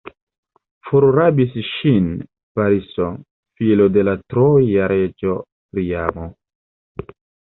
Forrabis ŝin Pariso, filo de la troja reĝo Priamo.